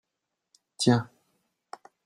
Tiens